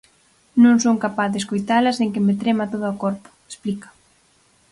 Non son capaz de escoitala sen que me trema todo o corpo, explica.